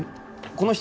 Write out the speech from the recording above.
この人